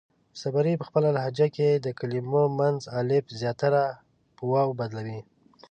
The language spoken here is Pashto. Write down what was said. صبري پۀ خپله لهجه کې د کلمو منځ الف زياتره پۀ واو بدلوي.